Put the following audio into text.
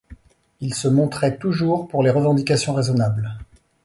Il se montrait toujours pour les revendications raisonnables.